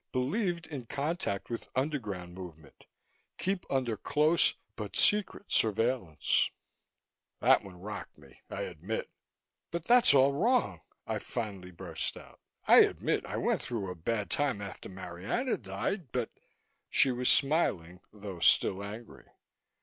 Believed in contact with underground movement. Keep under close but secret surveillance'." That one rocked me, I admit. "But that's all wrong!" I finally burst out. "I admit I went through a bad time after Marianna died, but " She was smiling, though still angry.